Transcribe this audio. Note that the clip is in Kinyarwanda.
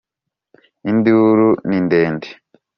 induru ni ndende.